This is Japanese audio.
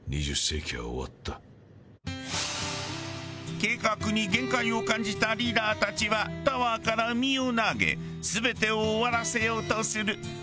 計画に限界を感じたリーダーたちはタワーから身を投げ全てを終わらせようとする。